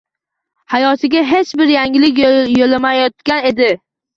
Hayotiga hech bir yangilik yo’lamayotgan edi.